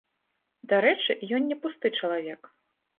Дарэчы, ён не пусты чалавек.